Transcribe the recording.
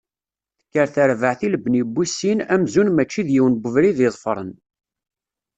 Tekker terbaɛt i lebni n wis sin, amzun mačči d yiwen n ubrid i ḍefren.